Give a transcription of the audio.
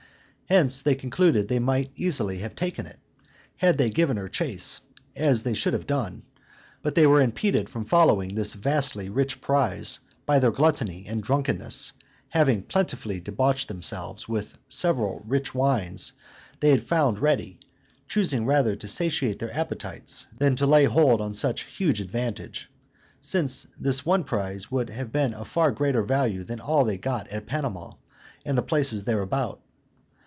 Hence they concluded they might easily have taken it, had they given her chase, as they should have done; but they were impeded from following this vastly rich prize, by their gluttony and drunkenness, having plentifully debauched themselves with several rich wines they found ready, choosing rather to satiate their appetites than to lay hold on such huge advantage; since this one prize would have been of far greater value than all they got at Panama, and the places thereabout.